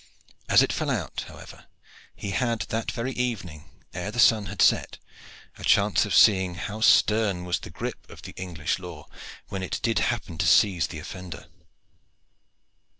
As it fell out, however, he had that very evening, ere the sun had set, a chance of seeing how stern was the grip of the English law when it did happen to seize the offender.